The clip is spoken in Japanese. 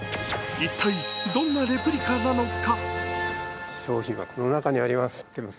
一体どんなレプリカなのか。